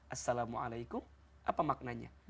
assalamu'alaikum apa maknanya